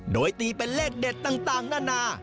โดยตีเป็นเลขเด็ดต่างนานา